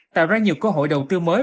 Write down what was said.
tạo ra nhiều cơ hội đầu tư mới